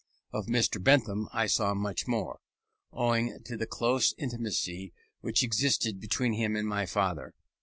Of Mr. Bentham I saw much more, owing to the close intimacy which existed between him and my father.